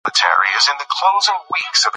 يارانو زه به له روزګاره راځم